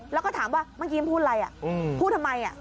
แล้วก็ถามว่าเมื่อกี้พูดอะไรพูดทำไม